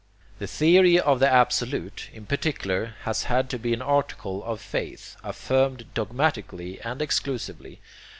The theory of the Absolute, in particular, has had to be an article of faith, affirmed dogmatically and exclusively.